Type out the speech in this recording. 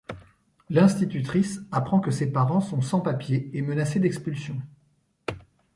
L'institutrice apprend que ses parents sont sans papiers et menacés d'expulsion.